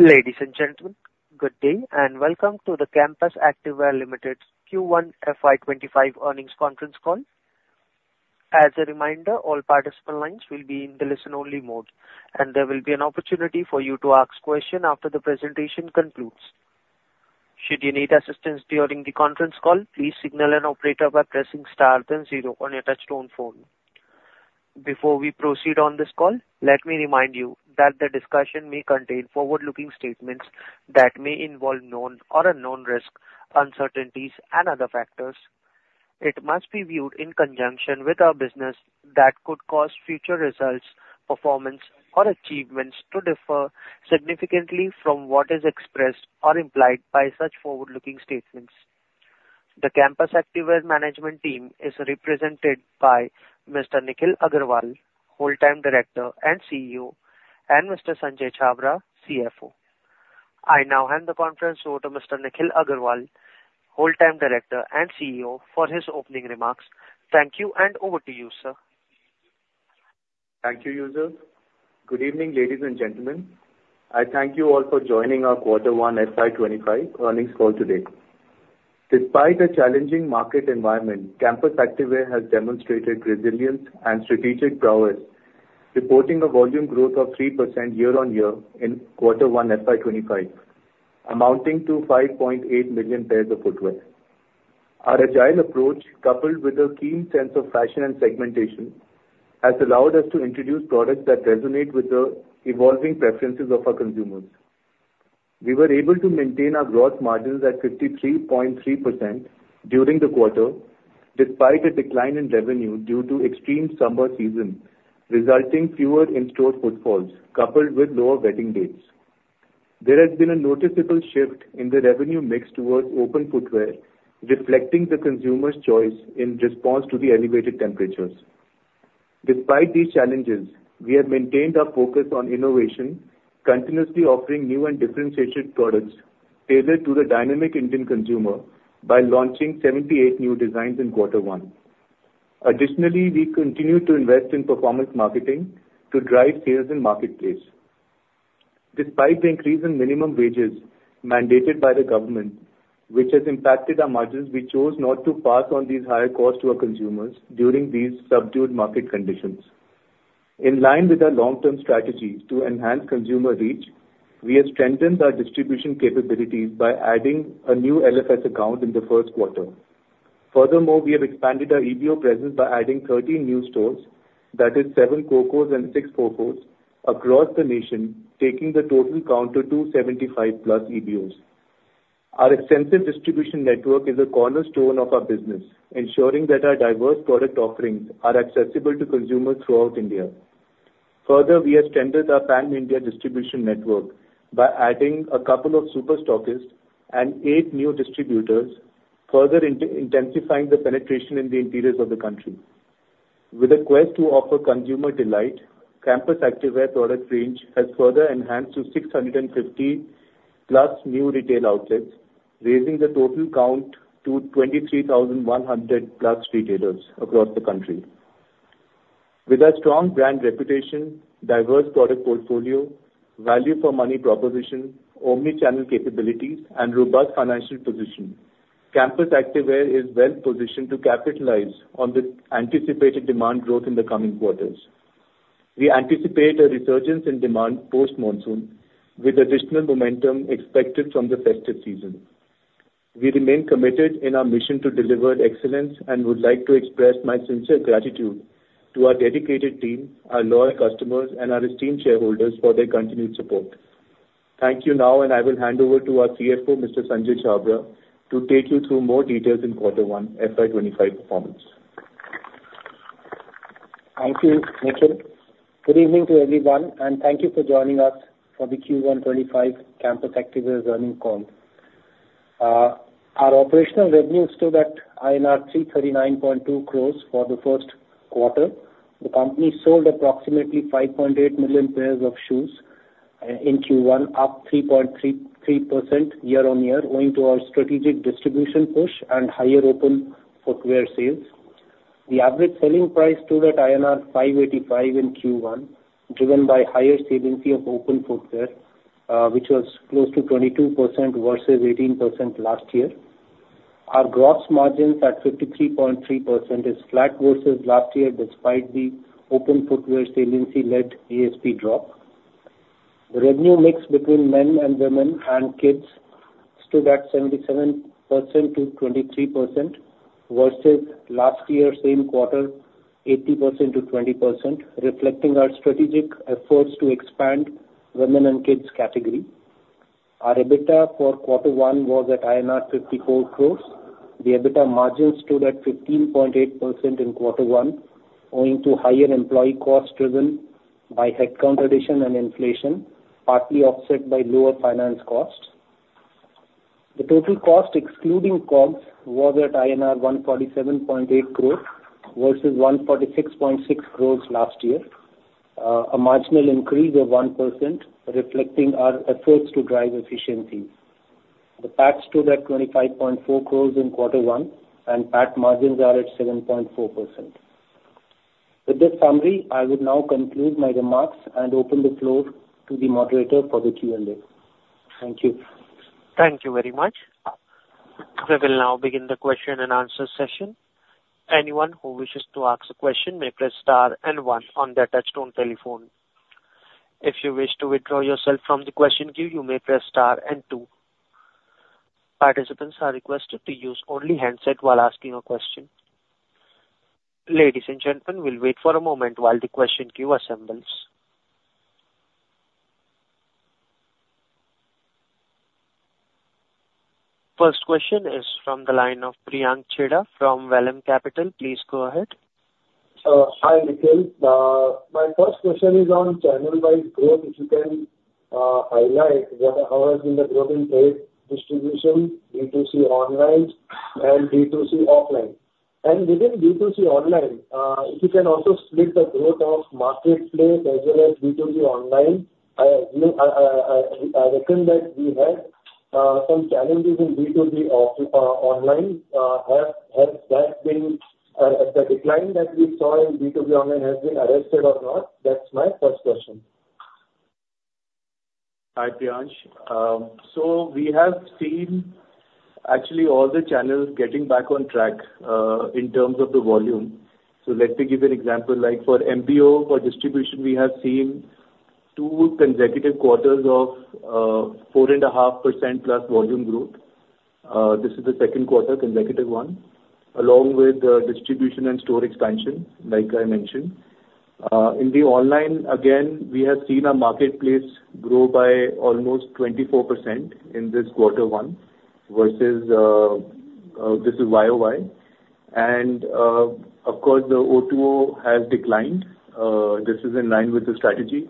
Ladies and gentlemen, good day, and welcome to the Campus Activewear Limited Q1 FY25 earnings conference call. As a reminder, all participant lines will be in the listen-only mode, and there will be an opportunity for you to ask question after the presentation concludes. Should you need assistance during the conference call, please signal an operator by pressing star then zero on your touchtone phone. Before we proceed on this call, let me remind you that the discussion may contain forward-looking statements that may involve known or unknown risks, uncertainties, and other factors. It must be viewed in conjunction with our business that could cause future results, performance, or achievements to differ significantly from what is expressed or implied by such forward-looking statements. The Campus Activewear management team is represented by Mr. Nikhil Aggarwal, Whole-Time Director and CEO, and Mr. Sanjay Chhabra, CFO. I now hand the conference over to Mr. Nikhil Aggarwal, Whole-Time Director and CEO, for his opening remarks. Thank you, and over to you, sir. Thank you, Yusuf. Good evening, ladies and gentlemen. I thank you all for joining our Quarter 1 FY25 earnings call today. Despite a challenging market environment, Campus Activewear has demonstrated resilience and strategic prowess, reporting a volume growth of 3% year-on-year in Quarter 1 FY25, amounting to 5.8 million pairs of footwear. Our agile approach, coupled with a keen sense of fashion and segmentation, has allowed us to introduce products that resonate with the evolving preferences of our consumers. We were able to maintain our gross margins at 53.3% during the quarter, despite a decline in revenue due to extreme summer season, resulting fewer in-store footfalls, coupled with lower wedding dates. There has been a noticeable shift in the revenue mix towards open footwear, reflecting the consumer's choice in response to the elevated temperatures. Despite these challenges, we have maintained our focus on innovation, continuously offering new and differentiated products tailored to the dynamic Indian consumer by launching 78 new designs in Quarter One. Additionally, we continue to invest in performance marketing to drive sales in marketplace. Despite the increase in minimum wages mandated by the government, which has impacted our margins, we chose not to pass on these higher COGS to our consumers during these subdued market conditions. In line with our long-term strategies to enhance consumer reach, we have strengthened our distribution capabilities by adding a new LFS account in the first quarter. Furthermore, we have expanded our EBO presence by adding 13 new stores, that is 7 COCO and 6 FOCO, across the nation, taking the total count to 275+ EBOs. Our extensive distribution network is a cornerstone of our business, ensuring that our diverse product offerings are accessible to consumers throughout India. Further, we have strengthened our pan-India distribution network by adding a couple of super stockists and 8 new distributors, further intensifying the penetration in the interiors of the country. With a quest to offer consumer delight, Campus Activewear product range has further enhanced to 650+ new retail outlets, raising the total count to 23,100+ retailers across the country. With our strong brand reputation, diverse product portfolio, value for money proposition, omni-channel capabilities, and robust financial position, Campus Activewear is well positioned to capitalize on the anticipated demand growth in the coming quarters. We anticipate a resurgence in demand post-monsoon, with additional momentum expected from the festive season. We remain committed in our mission to deliver excellence and would like to express my sincere gratitude to our dedicated team, our loyal customers, and our esteemed shareholders for their continued support. Thank you now, and I will hand over to our CFO, Mr. Sanjay Chhabra, to take you through more details in Quarter 1 FY25 performance. Thank you, Nikhil. Good evening to everyone, and thank you for joining us for the Q1 2025 Campus Activewear earnings call. Our operational revenues stood at INR 339.2 crores for the first quarter. The company sold approximately 5.8 million pairs of shoes in Q1, up 3.33% year-on-year, owing to our strategic distribution push and higher open footwear sales. The average selling price stood at INR 585 in Q1, driven by higher saliency of open footwear, which was close to 22% versus 18% last year. Our gross margins at 53.3% is flat versus last year, despite the open footwear saliency-led ASP drop. The revenue mix between men and women and kids stood at 77%-23%, versus last year, same quarter, 80%-20%, reflecting our strategic efforts to expand women and kids category. Our EBITDA for Quarter 1 was at INR 54 crores. The EBITDA margin stood at 15.8% in Quarter 1, owing to higher employee costs driven by headcount addition and inflation, partly offset by lower finance costs. The total cost, excluding COGS, was at INR 147.8 crores versus 146.6 crores last year. A marginal increase of 1%, reflecting our efforts to drive efficiency. The PAT stood at 25.4 crores in Quarter 1, and PAT margins are at 7.4%.... With this summary, I will now conclude my remarks and open the floor to the moderator for the Q&A. Thank you. Thank you very much. We will now begin the question and answer session. Anyone who wishes to ask a question may press star and one on their touchtone telephone. If you wish to withdraw yourself from the question queue, you may press star and two. Participants are requested to use only handset while asking a question. Ladies and gentlemen, we'll wait for a moment while the question queue assembles. First question is from the line of Priyank Chheda from Vallum Capital. Please go ahead. Hi, Nikhil. My first question is on channel-wise growth. If you can highlight what, how has been the growth in trade distribution, B2C online and B2C offline? And within B2C online, if you can also split the growth of marketplace as well as B2B online, you know, I reckon that we had some challenges in B2B online. Has that been the decline that we saw in B2B online has been arrested or not? That's my first question. Hi, Priyank. So we have seen actually all the channels getting back on track, in terms of the volume. So let me give you an example, like for MBO, for distribution, we have seen 2 consecutive quarters of, 4.5% plus volume growth. This is the second quarter, consecutive one, along with, distribution and store expansion, like I mentioned. In the online, again, we have seen our marketplace grow by almost 24% in this quarter one versus, this is YOY. And, of course, the O2O has declined. This is in line with the strategy,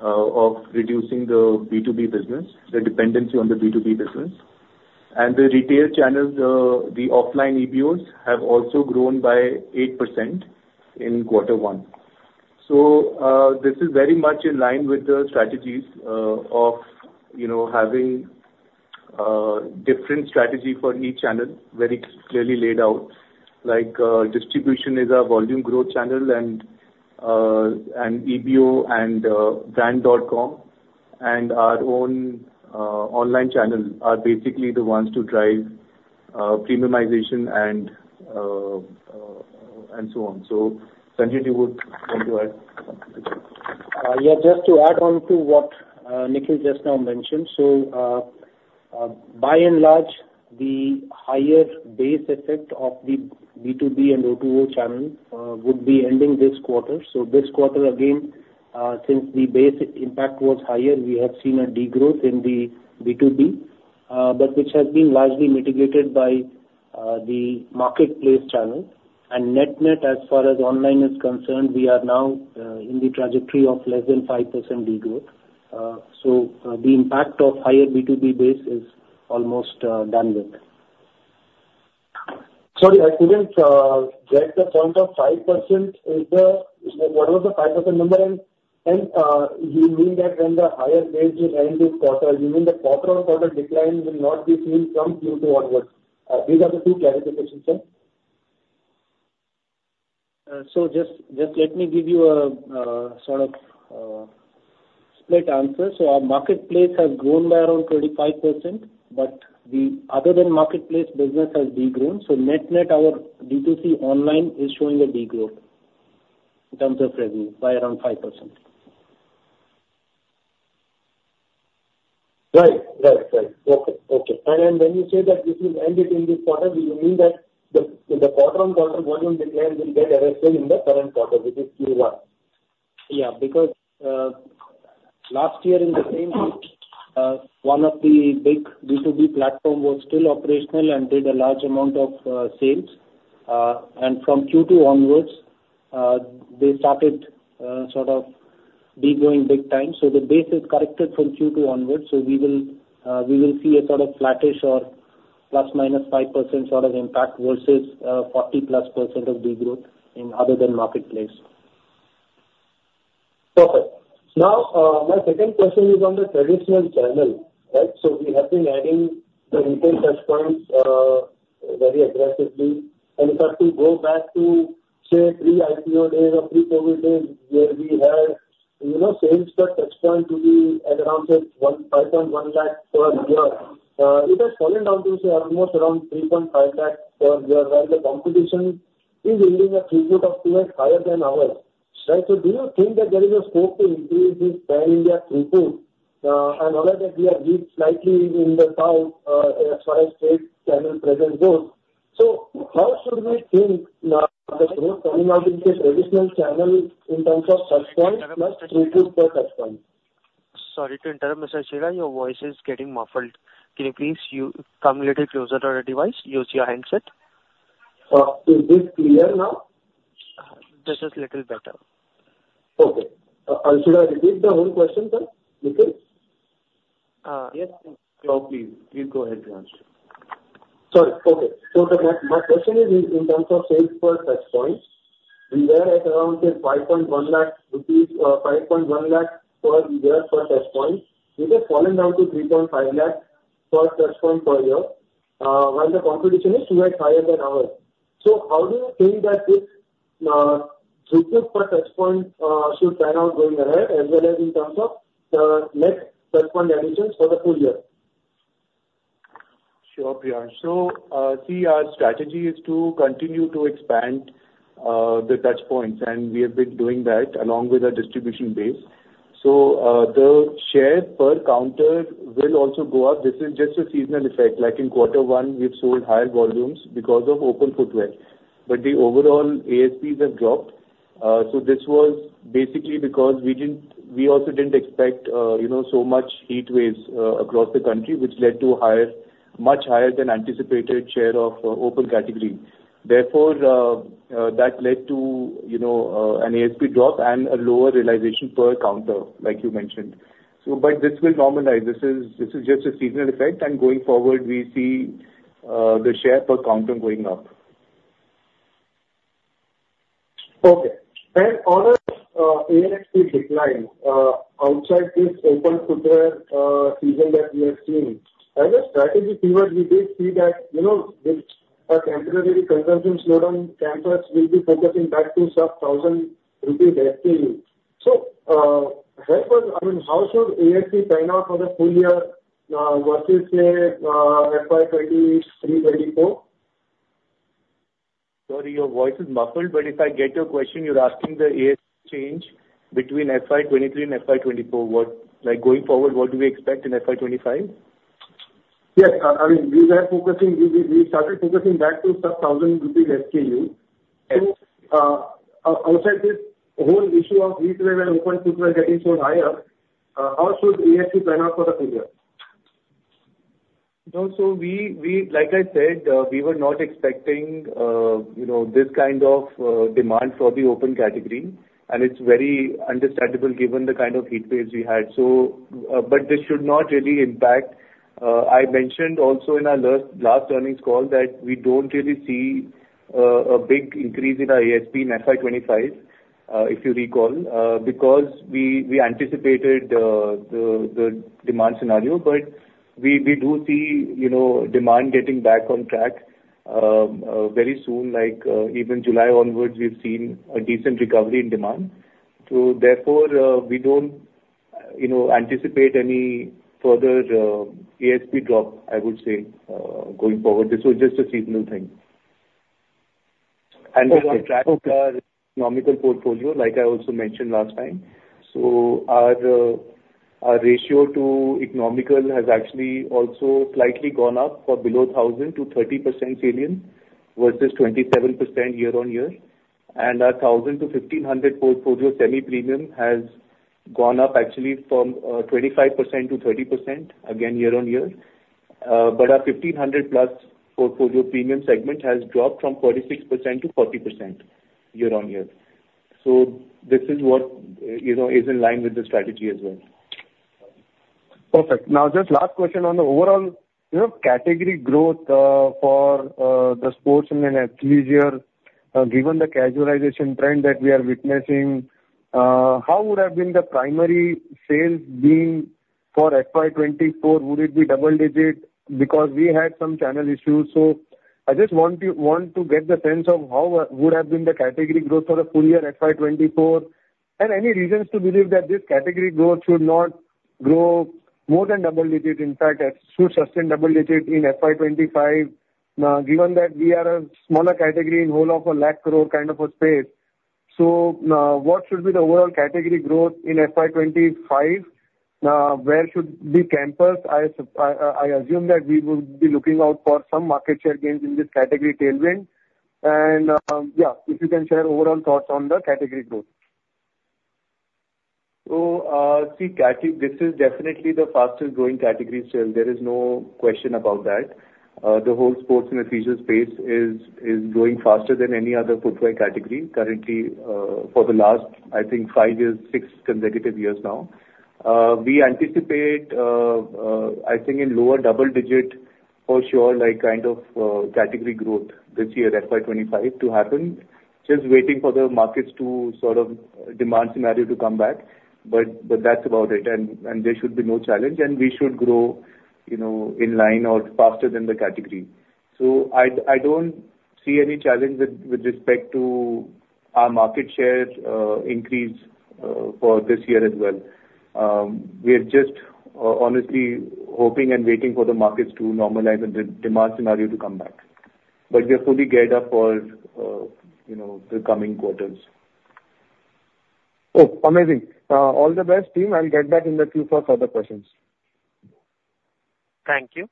of reducing the B2B business, the dependency on the B2B business. And the retail channels, the offline EBOs, have also grown by 8% in quarter one. So, this is very much in line with the strategies of, you know, having different strategy for each channel, very clearly laid out. Like, distribution is our volume growth channel and EBO and brand.com, and our own online channel are basically the ones to drive premiumization and so on. So, Sanjay, you would want to add something to that? Yeah, just to add on to what Nikhil just now mentioned. So, by and large, the higher base effect of the B2B and O2O channel would be ending this quarter. So this quarter, again, since the base impact was higher, we have seen a degrowth in the B2B, but which has been largely mitigated by the marketplace channel. And net, net, as far as online is concerned, we are now in the trajectory of less than 5% degrowth. So, the impact of higher B2B base is almost done with. Sorry, I couldn't get the 0.5%. Is the... What was the 5% number? And, you mean that when the higher base will end this quarter, you mean the quarter-on-quarter decline will not be seen from Q2 onwards? These are the two clarifications, sir. So just, just let me give you a, sort of, split answer. So our marketplace has grown by around 35%, but the other than marketplace business has degrown. So net, net, our B2C online is showing a degrowth in terms of revenue by around 5%. Right. Okay. And then when you say that this will end it in this quarter, do you mean that the quarter-on-quarter volume decline will get arrested in the current quarter, which is Q1? Yeah, because last year in the same quarter, one of the big B2B platform was still operational and did a large amount of sales. And from Q2 onwards, they started sort of degrowing big time. So the base is corrected from Q2 onwards. So we will see a sort of flattish or ±5% sort of impact versus 40%+ of degrowth in other than marketplace. Perfect. Now, my second question is on the traditional channel, right? So we have been adding the retail touchpoints very aggressively. And if I go back to, say, pre-IPO days or pre-COVID days, where we had, you know, sales per touchpoint to be at around, say, 1.51 lakh per year, it has fallen down to say almost around 3.5 lakh per year, while the competition is yielding a throughput of even higher than ours, right? So do you think that there is a scope to increase this pan-India throughput, and now that we are weak slightly in the tail, as far as trade channel presence goes? So how should we think the growth coming out in the traditional channel in terms of touchpoint plus throughput per touchpoint? Sorry to interrupt, Mr. Chheda. Your voice is getting muffled. Can you please come a little closer to the device, use your handset? Is this clear now? This is little better. Okay. Should I repeat the whole question then, Nikhil? Yes, please. Please go ahead, Priyank. Sorry. Okay. So my question is in terms of sales per touchpoint, we were at around, say, 5.1 lakh rupees per year per touchpoint. It has fallen down to 3.5 lakh per touchpoint per year, while the competition is 2 times higher than ours. So how do you think that this throughput per touchpoint should pan out going ahead, as well as in terms of the next touchpoint additions for the full year? Sure, Priyank. So, see, our strategy is to continue to expand the touchpoints, and we have been doing that along with our distribution base. So, the share per counter will also go up. This is just a seasonal effect. Like in quarter one, we've sold higher volumes because of open footwear, but the overall ASPs have dropped. So this was basically because we didn't- we also didn't expect, you know, so much heat waves across the country, which led to higher, much higher than anticipated share of open category. Therefore, that led to, you know, an ASP drop and a lower realization per counter, like you mentioned. So but this will normalize. This is, this is just a seasonal effect, and going forward, we see the share per counter going up. Okay. On a ASP decline outside this open footwear season that we have seen, as a strategy viewer, we did see that, you know, with a temporary consumption slowdown, Campus will be focusing back to sub-1,000 INR SKU. So, therefore, I mean, how should ASP pan out for the full year versus, say, FY 2023-2024? Sorry, your voice is muffled, but if I get your question, you're asking the ASP change between FY 2023 and FY 2024, what... Like, going forward, what do we expect in FY 2025? Yes. I mean, we started focusing back to sub-thousand rupee SKU. Yes. Outside this whole issue of heat wave and open footwear getting so higher, how should ASP pan out for the full year? No, so we, like I said, we were not expecting, you know, this kind of demand for the open category, and it's very understandable given the kind of heat waves we had. So, but this should not really impact. I mentioned also in our last earnings call that we don't really see a big increase in our ASP in FY25, if you recall, because we anticipated the demand scenario. But we do see, you know, demand getting back on track very soon, like, even July onwards, we've seen a decent recovery in demand. So therefore, we don't, you know, anticipate any further ASP drop, I would say, going forward. This was just a seasonal thing. Okay. Okay. We're on track with our economical portfolio, like I also mentioned last time. So our ratio to economical has actually also slightly gone up for below 1,000 to 30%, from 27% year-on-year. Our 1,000 to 1,500 portfolio semi-premium has gone up actually from 25% to 30%, again, year-on-year. But our 1,500+ portfolio premium segment has dropped from 46% to 40% year-on-year. So this is what you know is in line with the strategy as well. Perfect. Now, just last question on the overall, you know, category growth, for the sports and leisure, given the casualization trend that we are witnessing, how would have been the primary sales been for FY24? Would it be double-digit? Because we had some channel issues, so I just want to get the sense of how would have been the category growth for the full year FY24, and any reasons to believe that this category growth should not grow more than double-digit, in fact, should sustain double-digit in FY25, given that we are a smaller category in whole of a 100,000 crore kind of a space. So, what should be the overall category growth in FY25? Where should be Campus? I suppose that we would be looking out for some market share gains in this category tailwind. Yeah, if you can share overall thoughts on the category growth. So, see, category, this is definitely the fastest growing category still. There is no question about that. The whole sports and leisure space is growing faster than any other footwear category currently, for the last, I think, five years, six consecutive years now. We anticipate, I think in lower double digit for sure, like, kind of, category growth this year, FY25, to happen. Just waiting for the markets to sort of demand scenario to come back, but that's about it, and there should be no challenge, and we should grow, you know, in line or faster than the category. So I don't see any challenge with respect to our market shares increase, for this year as well. We are just, honestly hoping and waiting for the markets to normalize and the demand scenario to come back. But we are fully geared up for, you know, the coming quarters. Oh, amazing. All the best, team. I'll get back in the queue for further questions. Thank you.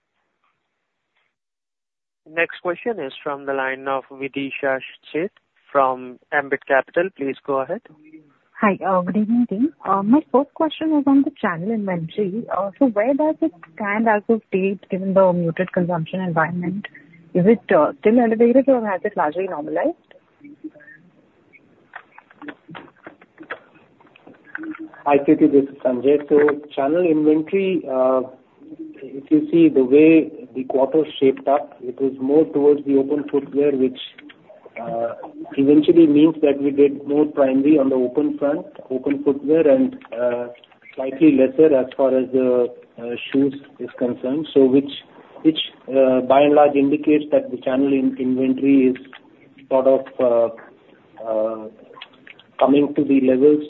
Next question is from the line of Vidisha Sheth from Ambit Capital. Please go ahead. Hi, good evening, team. My first question was on the channel inventory. So where does it stand as of date, given the muted consumption environment? Is it still elevated, or has it largely normalized? Hi, Kirti, this is Sanjay. Channel inventory, if you see the way the quarter shaped up, it was more towards the open footwear, which-... eventually means that we did more primary on the open front, open footwear, and slightly lesser as far as the shoes is concerned. So which by and large indicates that the channel inventory is sort of coming to the levels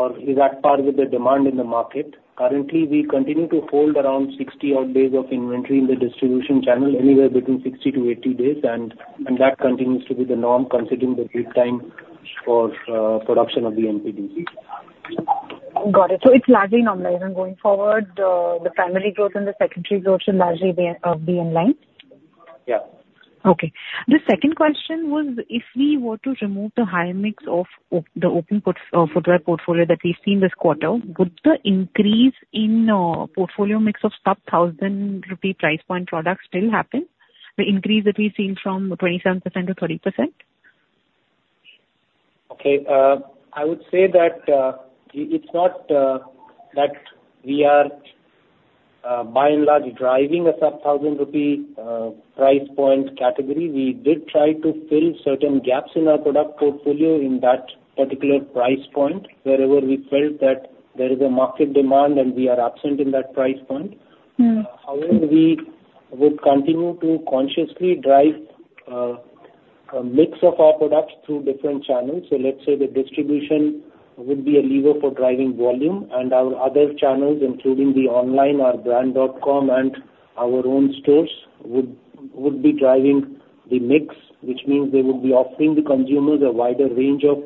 or is at par with the demand in the market. Currently, we continue to hold around 60-odd days of inventory in the distribution channel, anywhere between 60-80 days, and that continues to be the norm, considering the lead time for production of the NPDs. Got it. So it's largely normalized, and going forward, the primary growth and the secondary growth should largely be in line? Yeah. Okay. The second question was, if we were to remove the high mix of the open footwear portfolio that we've seen this quarter, would the increase in portfolio mix of sub-1,000 INR price point products still happen? The increase that we've seen from 27% to 30%. Okay, I would say that, it, it's not that we are, by and large, driving a sub-1,000 INR price point category. We did try to fill certain gaps in our product portfolio in that particular price point, wherever we felt that there is a market demand and we are absent in that price point. Mm. However, we would continue to consciously drive a mix of our products through different channels. So let's say the distribution would be a lever for driving volume, and our other channels, including the online, our brand.com and our own stores, would be driving the mix. Which means they would be offering the consumers a wider range of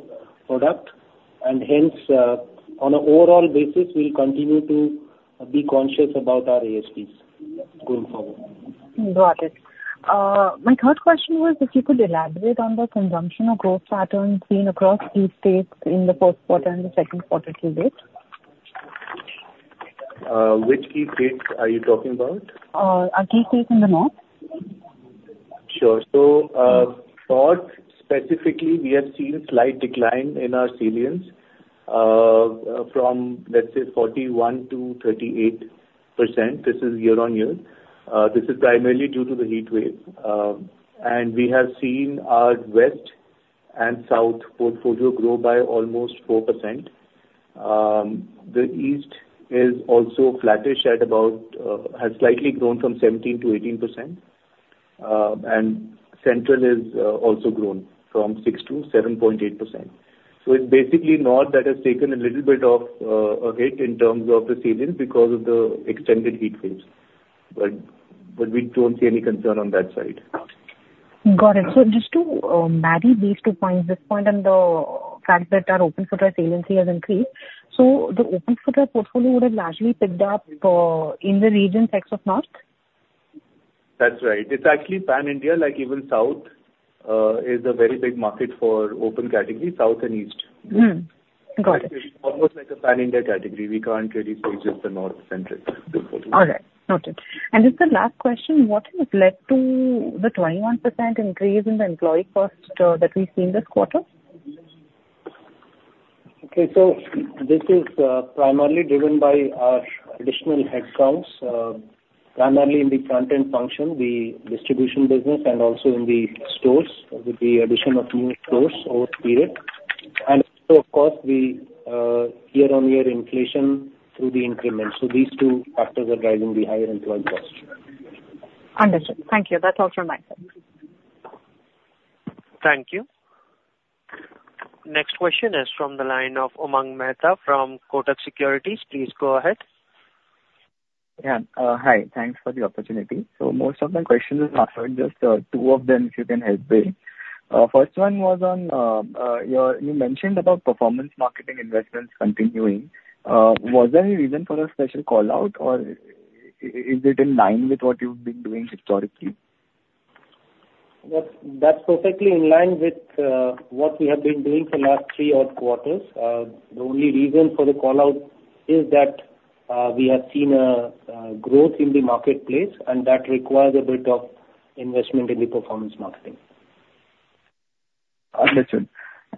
product, and hence, on an overall basis, we'll continue to be conscious about our ASPs going forward. Got it. My third question was if you could elaborate on the consumption or growth pattern seen across key states in the first quarter and the second quarter to date? Which key states are you talking about? Key states in the north. Sure. So, North, specifically, we have seen a slight decline in our salience, from, let's say, 41%-38%. This is year-on-year. This is primarily due to the heat wave. And we have seen our West and South portfolio grow by almost 4%. The East is also flattish, at about, has slightly grown from 17%-18%. And Central is, also grown from 6 to 7.8%. So it's basically North that has taken a little bit of, a hit in terms of the salience because of the extended heat waves. But we don't see any concern on that side. Got it. So just to marry these two points, this point and the fact that our open footwear salience has increased, so the open footwear portfolio would have largely picked up in the regions except North? That's right. It's actually pan-India, like even South, is a very big market for open category, South and East. Mm-hmm. Got it. Almost like a pan-India category. We can't really say just the North-centric portfolio. All right. Noted. Just the last question, what has led to the 21% increase in the employee cost that we've seen this quarter? Okay. So this is primarily driven by our additional headcounts, primarily in the front-end function, the distribution business, and also in the stores, with the addition of new stores over the period. And so of course, the year-on-year inflation through the increments. So these two factors are driving the higher employee cost. Understood. Thank you. That's all from my side. Thank you. Next question is from the line of Umang Mehta from Kotak Securities. Please go ahead. Yeah. Hi, thanks for the opportunity. So most of my questions are answered, just two of them, if you can help me. First one was on your... You mentioned about performance marketing investments continuing. Was there any reason for a special call-out, or is it in line with what you've been doing historically? That's, that's perfectly in line with what we have been doing for last three odd quarters. The only reason for the call-out is that we have seen a growth in the marketplace, and that requires a bit of investment in the performance marketing.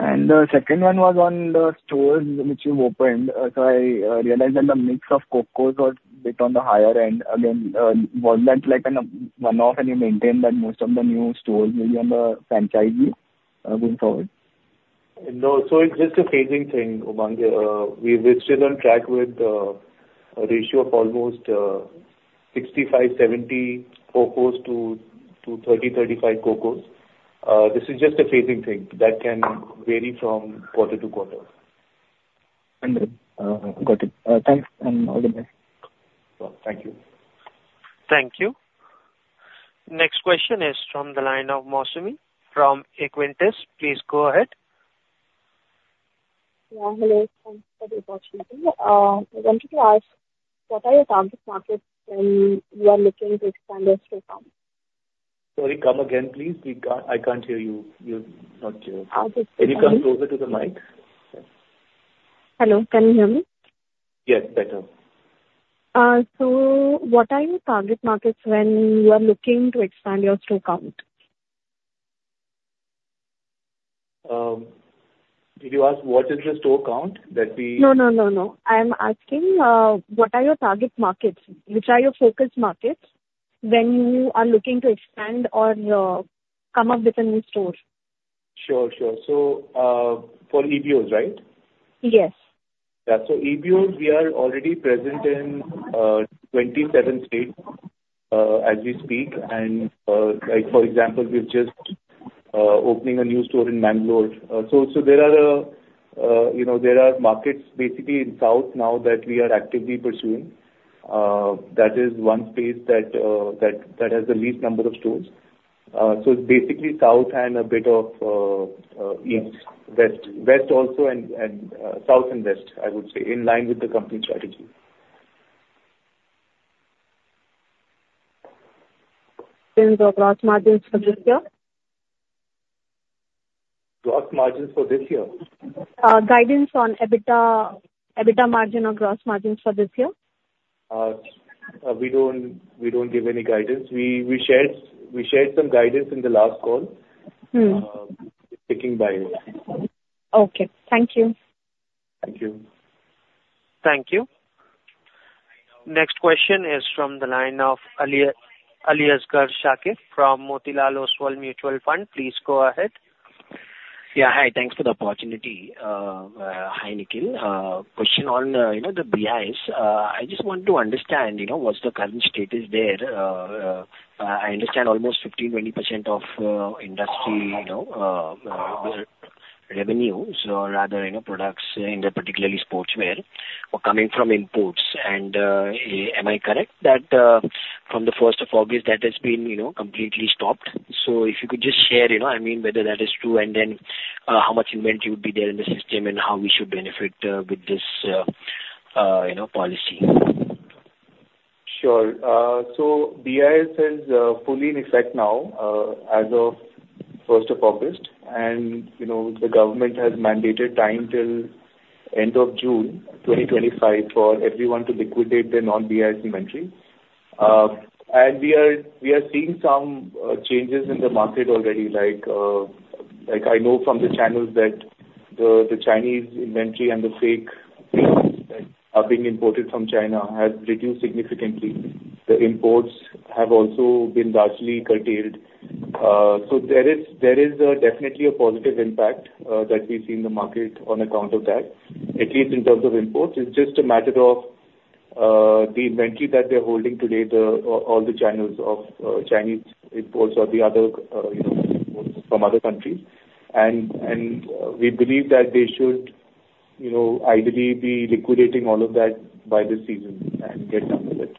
Understood. The second one was on the stores which you've opened. So I realized that the mix of COCOs was a bit on the higher end. Again, was that like a one-off, and you maintain that most of the new stores will be on the franchisee going forward? No, so it's just a phasing thing, Umang. We, we're still on track with a ratio of almost 65-70 COCO to 30-35 COCO. This is just a phasing thing that can vary from quarter to quarter. Understood. Got it. Thanks, and all the best. Thank you. Thank you. Next question is from the line of Mousumi from Equentis. Please go ahead. Yeah, hello. Thanks for the opportunity. I wanted to ask, what are your target markets when you are looking to expand your store count? Sorry, come again, please. We can't... I can't hear you. You're not clear. I'll just- Can you come closer to the mic? Hello, can you hear me? Yes, better. What are your target markets when you are looking to expand your store count?... did you ask what is the store count that we- No, no, no, no. I'm asking, what are your target markets? Which are your focus markets when you are looking to expand or, come up with a new store? Sure, sure. So, for EBOs, right? Yes. Yeah. So EBOs, we are already present in 27 states as we speak. And like for example, we're just opening a new store in Bangalore. So there are, you know, there are markets basically in South now that we are actively pursuing. That is one space that has the least number of stores. So it's basically South and a bit of East, West. West also and South and West, I would say, in line with the company strategy. The gross margins for this year? Gross margins for this year? Guidance on EBITDA, EBITDA margin or gross margins for this year? We don't give any guidance. We shared some guidance in the last call. Hmm. Sticking by it. Okay. Thank you. Thank you. Thank you. Next question is from the line of Aliasgar Shakir from Motilal Oswal Mutual Fund. Please go ahead. Yeah, hi. Thanks for the opportunity. Hi, Nikhil. Question on, you know, the BIS. I understand almost 15-20% of industry, you know, revenues or rather, you know, products in the particularly sportswear, were coming from imports. Am I correct that from the first of August, that has been, you know, completely stopped? So if you could just share, you know, I mean, whether that is true and then how much inventory would be there in the system and how we should benefit with this, you know, policy? Sure. So BIS is fully in effect now, as of first of August. And, you know, the government has mandated time till end of June 2025 for everyone to liquidate their non-BIS inventory. And we are seeing some changes in the market already, like, like I know from the channels that the Chinese inventory and the fake things that are being imported from China has reduced significantly. The imports have also been largely curtailed. So there is definitely a positive impact that we see in the market on account of that, at least in terms of imports. It's just a matter of the inventory that they're holding today, all the channels of Chinese imports or the other, you know, from other countries. We believe that they should, you know, ideally be liquidating all of that by this season and get done with it.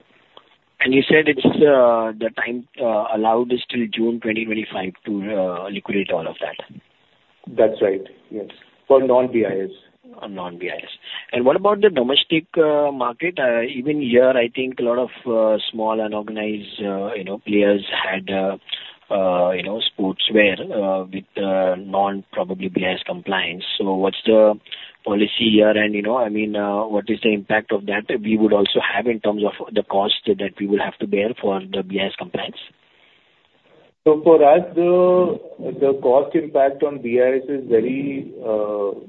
You said it's the time allowed is till June 2025 to liquidate all of that? That's right, yes. For non-BIS. Non-BIS. And what about the domestic market? Even here, I think a lot of small unorganized, you know, players had, you know, sportswear with non-probably BIS compliance. So what's the policy here? And, you know, I mean, what is the impact of that we would also have in terms of the cost that we would have to bear for the BIS compliance? So for us, the cost impact on BIS is very,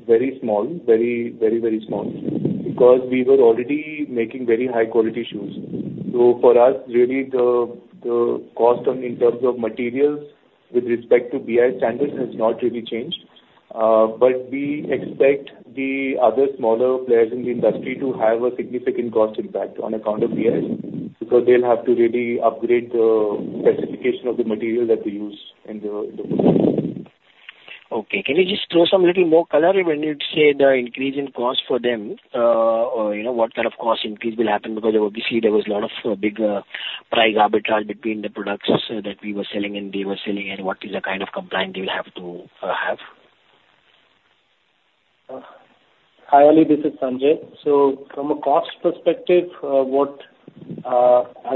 very, very small, because we were already making very high quality shoes. So for us, really, the cost on in terms of materials with respect to BIS standards has not really changed. But we expect the other smaller players in the industry to have a significant cost impact on account of BIS, because they'll have to really upgrade the specification of the material that we use in the footwear. Okay. Can you just throw some little more color when you say the increase in cost for them, you know, what kind of cost increase will happen? Because obviously, there was a lot of big price arbitrage between the products that we were selling and they were selling, and what is the kind of compliance they will have to have? Hi, Ali, this is Sanjay. So from a cost perspective, as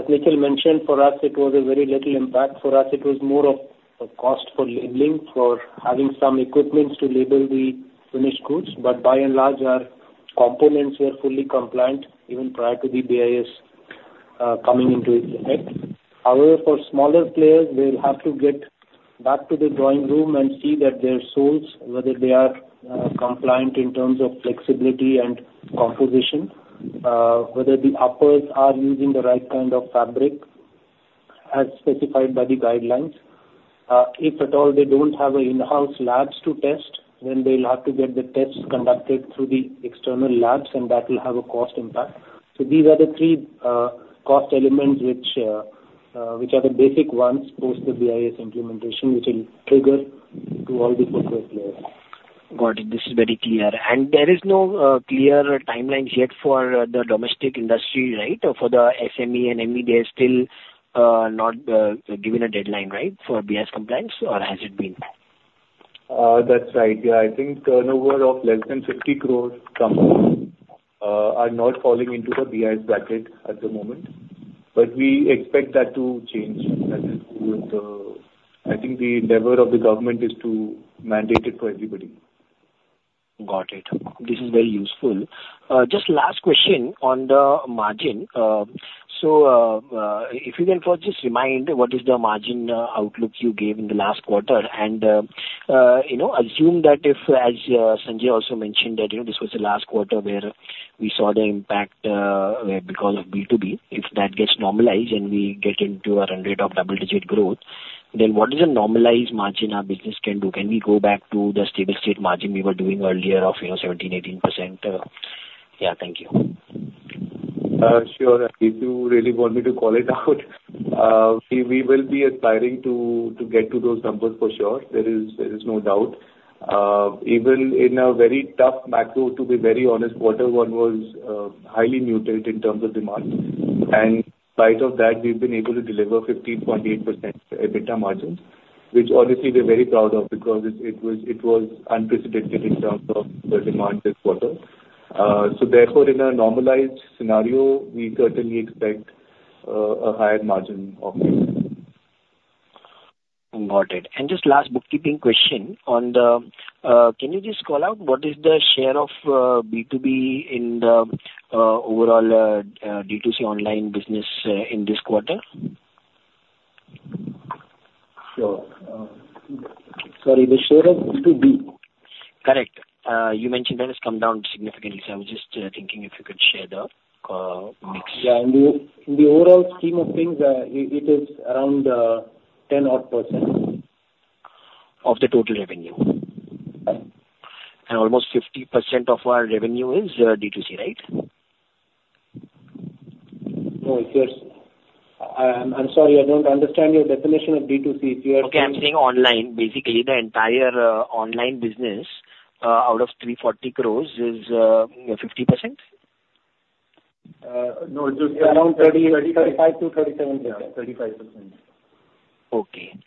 Nikhil mentioned, for us, it was a very little impact. For us, it was more of a cost for labeling, for having some equipment to label the finished goods. But by and large, our components were fully compliant, even prior to the BIS coming into effect. However, for smaller players, they'll have to get back to the drawing board and see that their soles, whether they are compliant in terms of flexibility and composition, whether the uppers are using the right kind of fabric, as specified by the guidelines. If at all they don't have an in-house lab to test, then they'll have to get the tests conducted through the external labs, and that will have a cost impact. These are the three cost elements which are the basic ones post the BIS implementation, which will trigger to all the footwear players. Got it. This is very clear. There is no clear timelines yet for the domestic industry, right? Or for the SME and ME, they are still not given a deadline, right, for BIS compliance or has it been? That's right. Yeah, I think turnover of less than 50 crore companies are not falling into the BIS bracket at the moment, but we expect that to change as we move. I think the endeavor of the government is to mandate it for everybody.... Got it. This is very useful. Just last question on the margin. So, if you can first just remind what is the margin outlook you gave in the last quarter? And, you know, assume that if, as Sanjay also mentioned, that, you know, this was the last quarter where we saw the impact because of B2B. If that gets normalized and we get into a run rate of double-digit growth, then what is the normalized margin our business can do? Can we go back to the stable state margin we were doing earlier of, you know, 17%-18%? Yeah, thank you. Sure. If you really want me to call it out, we will be aspiring to get to those numbers for sure. There is no doubt. Even in a very tough macro, to be very honest, quarter one was highly muted in terms of demand. And in spite of that, we've been able to deliver 15.8% EBITDA margins, which obviously we're very proud of, because it was unprecedented in terms of the demand this quarter. So therefore, in a normalized scenario, we certainly expect a higher margin obviously. Got it. And just last bookkeeping question on the—can you just call out what is the share of B2B in the overall D2C online business in this quarter? Sure. Sorry, the share of B2B? Correct. You mentioned that has come down significantly, so I was just thinking if you could share the mix? Yeah. In the overall scheme of things, it is around 10 odd%. Of the total revenue? Yes. Almost 50% of our revenue is D2C, right? No, if your... I'm sorry, I don't understand your definition of B2C if you are- Okay, I'm saying online. Basically, the entire online business out of 340 crores is 50%? No, it is around 30, 35-37, yeah, 35%. Okay.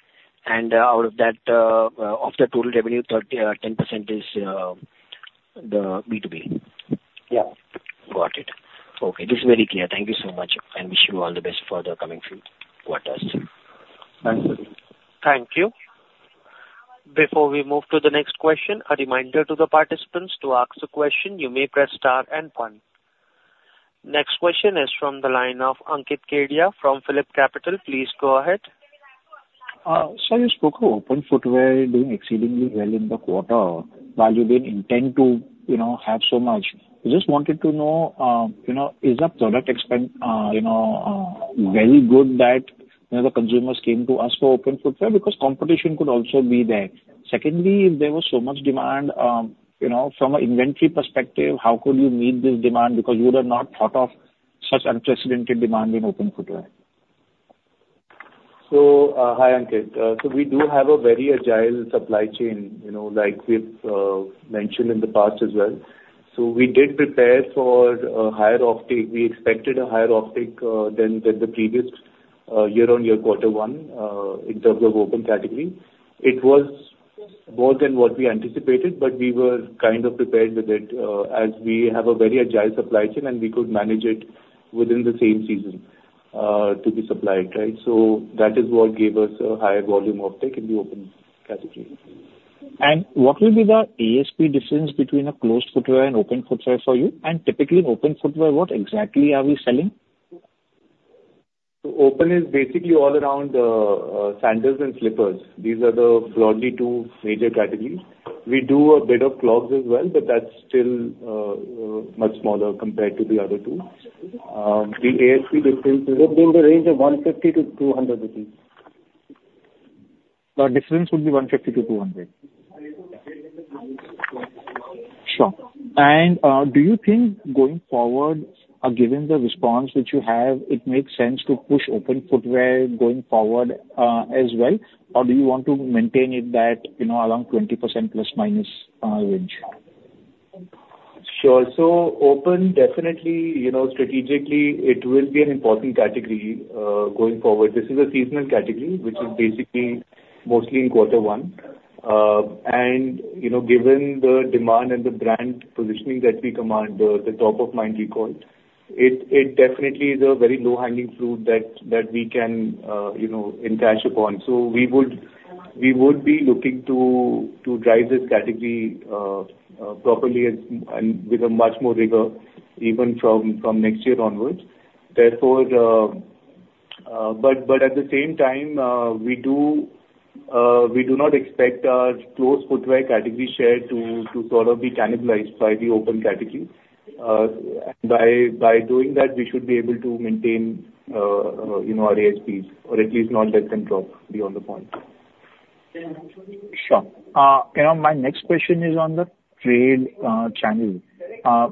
And out of that, of the total revenue, 30, 10% is the B2B? Yeah. Got it. Okay, this is very clear. Thank you so much, and wish you all the best for the coming few quarters. Thanks. Thank you. Before we move to the next question, a reminder to the participants, to ask the question, you may press star and one. Next question is from the line of Ankit Kedia from PhillipCapital. Please go ahead. Sir, you spoke of open footwear doing exceedingly well in the quarter, while you didn't intend to, you know, have so much. I just wanted to know, you know, is the product expansion very good that, you know, the consumers came to us for open footwear? Because competition could also be there. Secondly, if there was so much demand, you know, from an inventory perspective, how could you meet this demand? Because you would have not thought of such unprecedented demand in open footwear. Hi, Ankit. We do have a very agile supply chain, you know, like we've mentioned in the past as well. We did prepare for a higher uptick. We expected a higher uptick than the previous year-on-year quarter one in terms of open category. It was more than what we anticipated, but we were kind of prepared with it as we have a very agile supply chain, and we could manage it within the same season to be supplied, right? That is what gave us a higher volume uptick in the open category. What will be the ASP difference between a closed footwear and open footwear for you? Typically, open footwear, what exactly are we selling? So open is basically all around, sandals and slippers. These are the broadly two major categories. We do a bit of clogs as well, but that's still, much smaller compared to the other two. The ASP difference is within the range of 150-200 rupees. The difference would be 150-200. Sure. And, do you think going forward, given the response which you have, it makes sense to push open footwear going forward, as well? Or do you want to maintain it that, you know, around 20% plus, minus, range? Sure. So open definitely, you know, strategically, it will be an important category, going forward. This is a seasonal category, which is basically mostly in quarter one. And, you know, given the demand and the brand positioning that we command, the top-of-mind recall, it definitely is a very low-hanging fruit that we can, you know, encash upon. So we would be looking to drive this category, properly and with a much more rigor, even from next year onwards. Therefore, but at the same time, we do not expect our closed footwear category share to sort of be cannibalized by the open category. By doing that, we should be able to maintain, you know, our ASPs, or at least not let them drop beyond the point. Sure. You know, my next question is on the trade channel.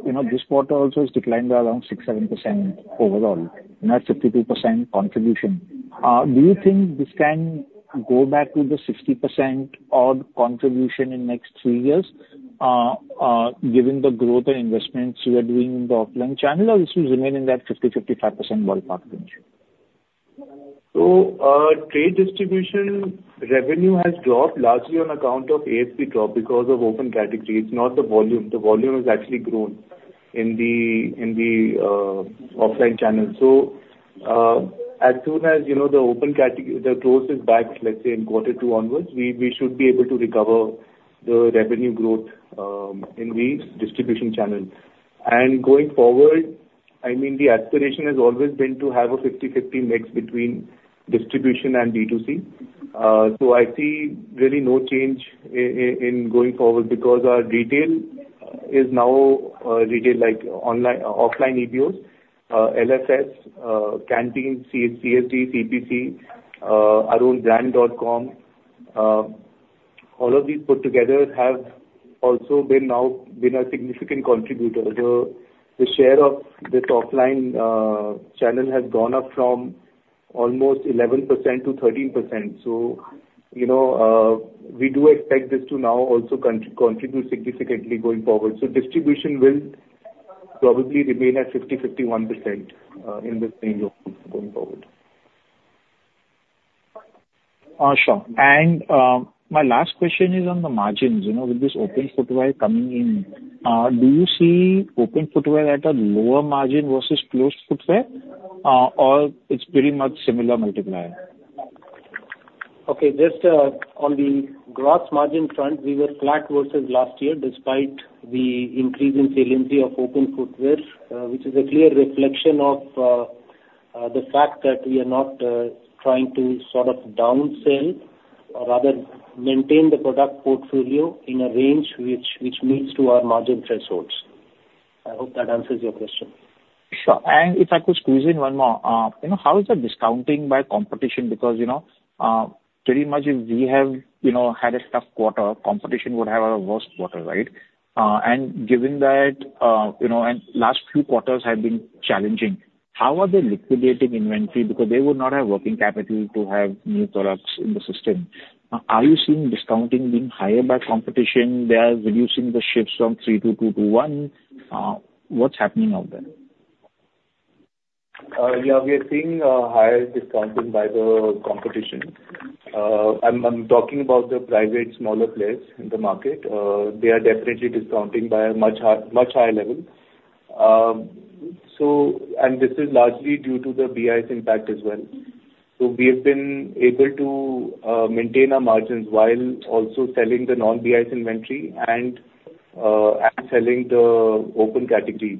You know, this quarter also has declined around 6-7% overall, not 52% contribution. Do you think this can go back to the 60% odd contribution in next 3 years, given the growth and investments you are doing in the offline channel, or this will remain in that 50-55% ballpark range? So, trade distribution revenue has dropped largely on account of ASP drop because of open category. It's not the volume. The volume has actually grown in the offline channel. So, as soon as, you know, the open category. The closed is back, let's say, in quarter two onwards, we should be able to recover the revenue growth in the distribution channel. And going forward, I mean, the aspiration has always been to have a 50/50 mix between distribution and D2C. So I see really no change in going forward, because our retail is now retail like online, offline EBOs, LFS, canteen, CSD, CPC, our own brand.com. All of these put together have also now been a significant contributor. The share of this offline channel has gone up from almost 11% to 13%. So, you know, we do expect this to now also contribute significantly going forward. So distribution will probably remain at 50-51% in the same range going forward. Sure. My last question is on the margins. You know, with this open footwear coming in, do you see open footwear at a lower margin versus closed footwear, or it's pretty much similar multiplier? Okay. Just on the gross margin front, we were flat versus last year, despite the increase in saliency of open footwear, which is a clear reflection of the fact that we are not trying to sort of downsell, or rather maintain the product portfolio in a range which leads to our margin thresholds. I hope that answers your question. Sure. And if I could squeeze in one more, you know, how is the discounting by competition? Because, you know, pretty much if we have, you know, had a tough quarter, competition would have a worst quarter, right? And given that, you know, and last few quarters have been challenging, how are they liquidating inventory? Because they would not have working capital to have new products in the system. Are you seeing discounting being higher by competition? They are reducing the shifts from 3 to 2 to 1? What's happening out there? Yeah, we are seeing higher discounting by the competition. I'm talking about the private, smaller players in the market. They are definitely discounting by a much higher level. This is largely due to the BIS impact as well. So we have been able to maintain our margins while also selling the non-BIS inventory and selling the open category.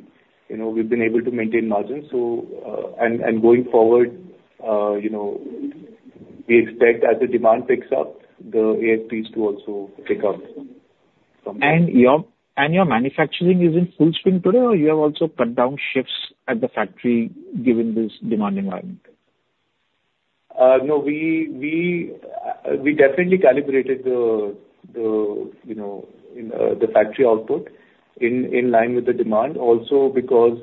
You know, we've been able to maintain margins. Going forward, you know, we expect as the demand picks up, the ASPs to also pick up from there. And your manufacturing is in full swing today, or you have also cut down shifts at the factory given this demand environment? No, we definitely calibrated the factory output in line with the demand. Also, because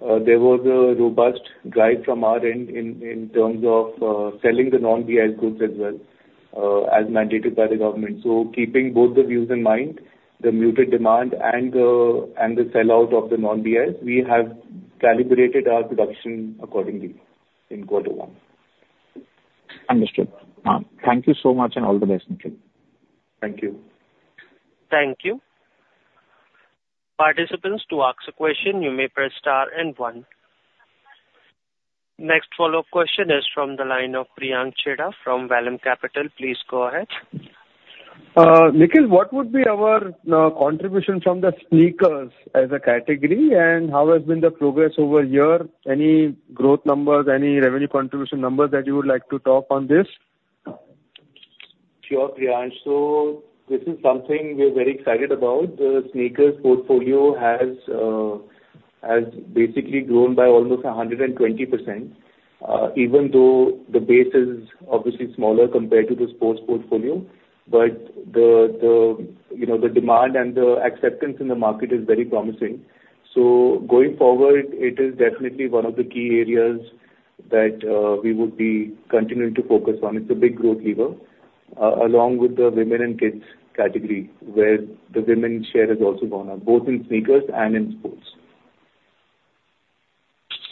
there was a robust drive from our end in terms of selling the non-BIS goods as well, as mandated by the government. So keeping both the views in mind, the muted demand and the sell-out of the non-BIS, we have calibrated our production accordingly in quarter one. Understood. Thank you so much and all the best, Nikhil. Thank you. Thank you. Participants, to ask a question, you may press star and one. Next follow-up question is from the line of Priyank Chheda from Vallum Capital. Please go ahead. Nikhil, what would be our contribution from the sneakers as a category, and how has been the progress over here? Any growth numbers, any revenue contribution numbers that you would like to talk on this? Sure, Priyank. So this is something we're very excited about. The sneakers portfolio has basically grown by almost 100%, even though the base is obviously smaller compared to the sports portfolio. But the you know, the demand and the acceptance in the market is very promising. So going forward, it is definitely one of the key areas that we would be continuing to focus on. It's a big growth lever, along with the women and kids category, where the women share has also gone up, both in sneakers and in sports.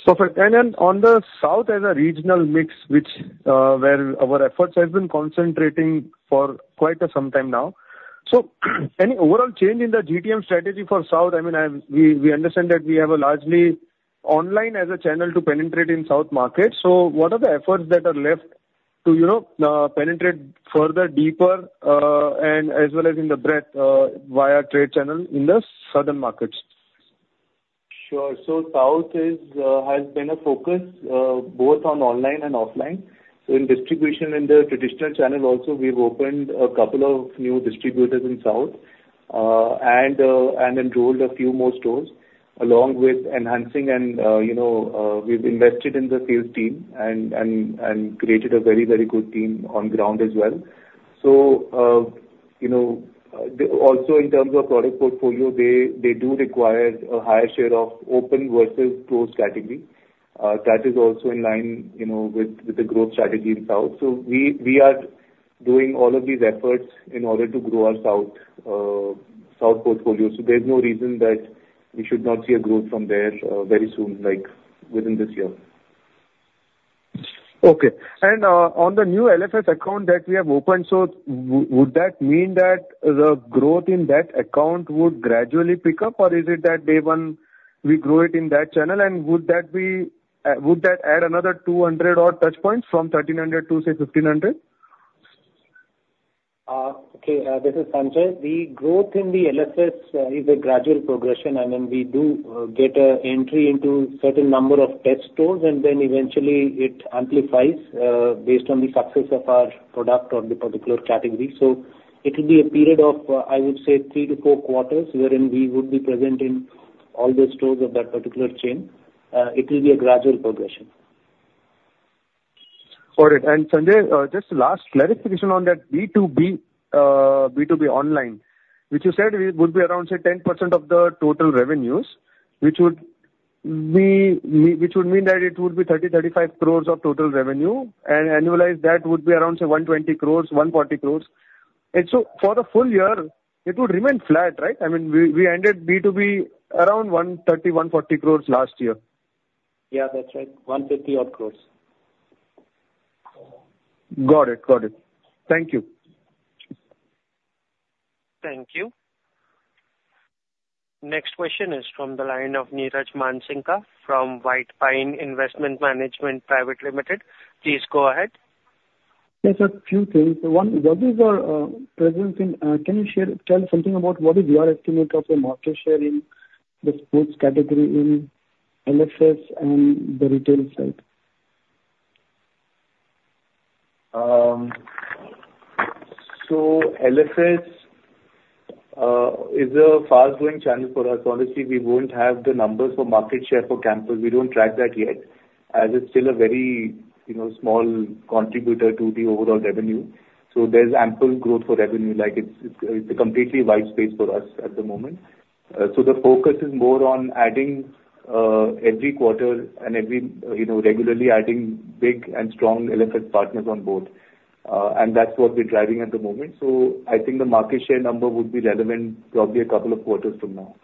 Super. And then on the South as a regional mix, which, where our efforts have been concentrating for quite some time now. So any overall change in the GTM strategy for South? I mean, we understand that we have a largely online as a channel to penetrate in South market. So what are the efforts that are left to, you know, penetrate further, deeper, and as well as in the breadth via trade channel in the Southern markets? Sure. So South is, has been a focus, both on online and offline. So in distribution, in the traditional channel also, we've opened a couple of new distributors in South, and, and enrolled a few more stores, along with enhancing and, you know, we've invested in the sales team and, and, and created a very, very good team on ground as well. So, you know, Also, in terms of product portfolio, they, they do require a higher share of open versus closed category. That is also in line, you know, with, with the growth strategy in South. So we, we are doing all of these efforts in order to grow our South, South portfolio. So there's no reason that we should not see a growth from there, very soon, like within this year. ... Okay, and on the new LFS account that we have opened, so would that mean that the growth in that account would gradually pick up, or is it that day one, we grow it in that channel? And would that add another 200 or touchpoints from 1300 to, say, 1500? Okay, this is Sanjay. The growth in the LFS is a gradual progression, and then we do get an entry into certain number of test stores, and then eventually it amplifies based on the success of our product or the particular category. So it will be a period of, I would say, three to four quarters, wherein we would be present in all the stores of that particular chain. It will be a gradual progression. Got it. And Sanjay, just last clarification on that B2B, B2B online, which you said it would be around, say, 10% of the total revenues, which would be, mean, which would mean that it would be 30-35 crores of total revenue, and annualize that would be around, say, 120-140 crores. And so for the full year, it would remain flat, right? I mean, we, we ended B2B around 130-140 crores last year. Yeah, that's right. 150 odd crores. Got it. Got it. Thank you. Thank you. Next question is from the line of Niraj Mansinghka from White Pine Investment Management Private Limited. Please go ahead. Yes, a few things. One, what is your presence in? Can you share? Tell something about what is your estimate of the market share in the sports category in LFS and the retail side? So LFS is a fast-growing channel for us. Honestly, we won't have the numbers for market share for Campus. We don't track that yet, as it's still a very, you know, small contributor to the overall revenue. So there's ample growth for revenue, like it's a completely wide space for us at the moment. So the focus is more on adding every quarter and every, you know, regularly adding big and strong LFS partners on board. And that's what we're driving at the moment. So I think the market share number would be relevant probably a couple of quarters from now.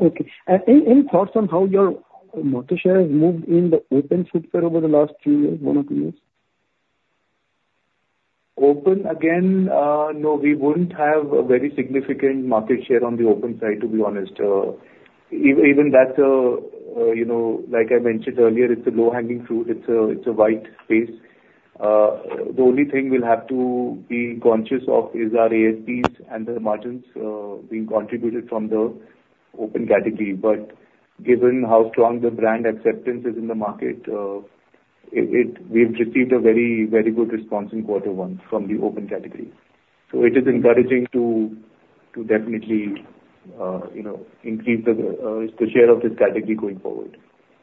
Okay. Any thoughts on how your market share has moved in the open footwear over the last few years, one or two years? Open, again, no, we wouldn't have a very significant market share on the open side, to be honest. Even that, you know, like I mentioned earlier, it's a low-hanging fruit. It's a, it's a wide space. The only thing we'll have to be conscious of is our ASPs and the margins being contributed from the open category. But given how strong the brand acceptance is in the market, it, it. We've received a very, very good response in quarter one from the open category. So it is encouraging to definitely, you know, increase the share of this category going forward.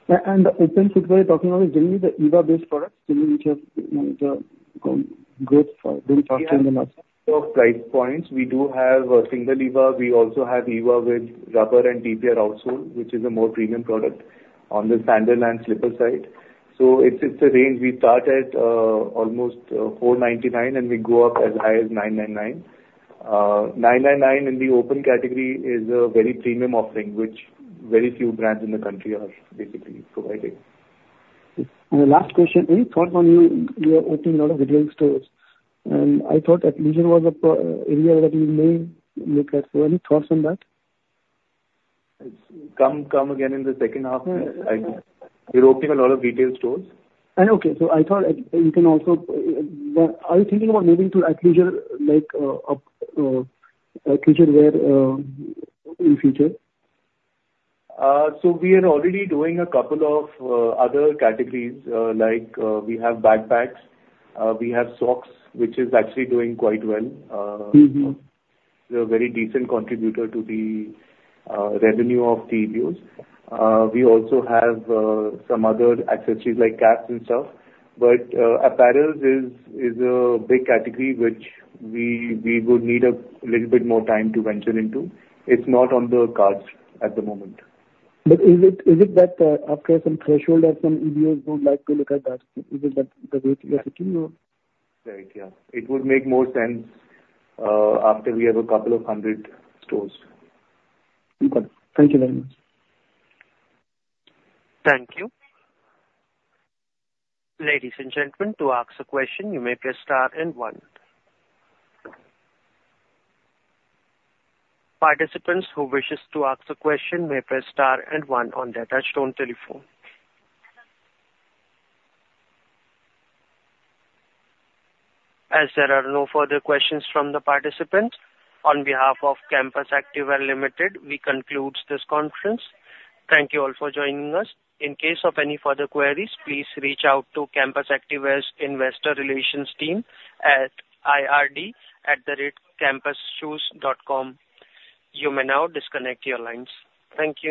The open footwear you're talking about is generally the EVA-based products, generally which have, you know, the growth for during pandemic. Price points, we do have a single EVA. We also have EVA with rubber and TPR outsole, which is a more premium product on the sandal and slipper side. So it's a range. We start at almost 499, and we go up as high as 999. 999 in the open category is a very premium offering, which very few brands in the country are basically providing. The last question, any thought on you, you are opening a lot of retail stores, and I thought Athleisure was a area that you may look at. So any thoughts on that? It's come, come again in the second half. Mm-hmm. We're opening a lot of retail stores. Okay, so I thought, you can also, are you thinking about moving to athleisure, like, athleisure wear, in future? So we are already doing a couple of other categories, like we have backpacks, we have socks, which is actually doing quite well. Mm-hmm. They're a very decent contributor to the revenue of the EBOs. We also have some other accessories, like caps and stuff, but apparel is a big category, which we would need a little bit more time to venture into. It's not on the cards at the moment. But is it, is it that, after some threshold or some EBOs would like to look at that? Is it that the way to look at it, or? Right. Yeah. It would make more sense after we have a couple of hundred stores. Okay. Thank you very much. Thank you. Ladies and gentlemen, to ask a question, you may press star and one. Participants who wish to ask a question may press star and one on their touchtone telephone. As there are no further questions from the participants, on behalf of Campus Activewear Limited, we conclude this conference. Thank you all for joining us. In case of any further queries, please reach out to Campus Activewear's Investor Relations team at ird@campusshoes.com. You may now disconnect your lines. Thank you.